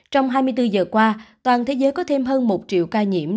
trong hai mươi bốn giờ qua toàn thế giới có thêm hơn một triệu ca nhiễm